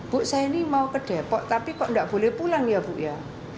bu saya ini mau ke depok tapi kok nggak boleh pulang ya bu ya